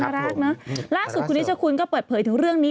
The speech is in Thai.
แรกนะล่าสุดคุณนิชคุณก็เปิดเผยถึงเรื่องนี้